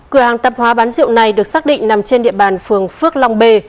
cửa hàng tạp hóa bán rượu này được xác định nằm trên địa bàn phường phước long b